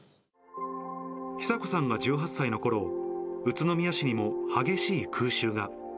久子さんが１８歳のころ、宇都宮市にも激しい空襲が。